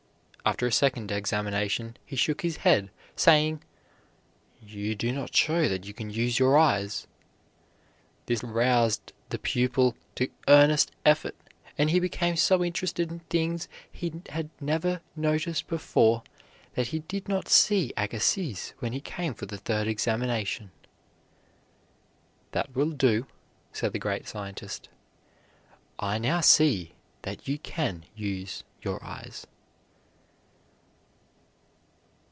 After a second examination he shook his head, saying, "You do not show that you can use your eyes." This roused the pupil to earnest effort, and he became so interested in things he had never noticed before that he did not see Agassiz when he came for the third examination. "That will do," said the great scientist. "I now see that you can use your eyes."